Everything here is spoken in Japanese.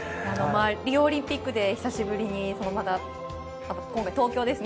リオオリンピックで久しぶりに今回、東京ですね。